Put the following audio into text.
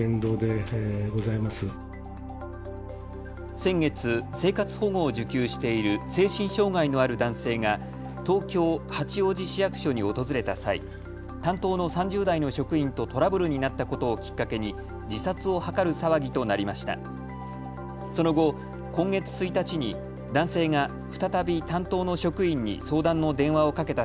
先月、生活保護を受給している精神障害のある男性が東京八王子市役所に訪れた際、担当の３０代の職員とトラブルになったことをきっかけに自殺を図る騒ぎとなりました。